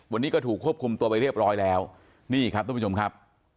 วันนี้ก็ถูกควบคุมตัวไปเรียบร้อยแล้วนี่ครับทุกผู้ชมครับ